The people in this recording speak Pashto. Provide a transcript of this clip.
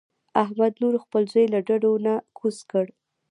احمد نور خپل زوی له ډډو نه کوز کړ.